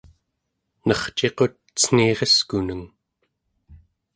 nerciqut cen̄ireskuneng